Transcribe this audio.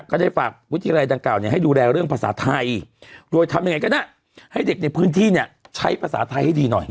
ก็ได้ฝากวิทยาลัยดังกล่าเนี่ยให้ดูแลเรื่องภาษาไทยโดยทำยังไงก็ได้ให้เด็กในพื้นที่เนี่ยใช้ภาษาไทยให้ดีหน่อย